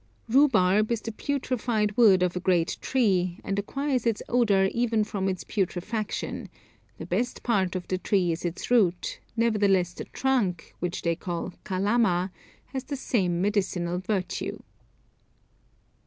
Rhubarb is the putrefied wood of a great tree, and acquires its odour even from its putrefaction, the best part of the tree is the root, nevertheless the trunk, which they call calama, has the same medicinal virtue."